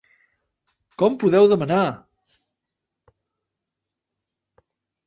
Com podeu demanar!?